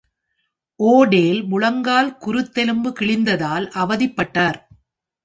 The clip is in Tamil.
ஓ'டெல் முழங்கால் குருத்தெலும்பு கிழிந்ததால் அவதிப்பட்டார்.